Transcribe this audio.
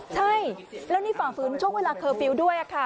ใช่แล้วนี่ฝ่าฝืนช่วงเวลาเคอร์ฟิลล์ด้วยค่ะ